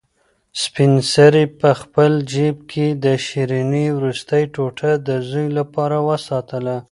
سپین سرې په خپل جېب کې د شیرني وروستۍ ټوټه د زوی لپاره وساتله.